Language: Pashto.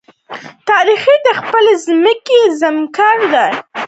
تاریخ د خپلې ځمکې زمکړه ده.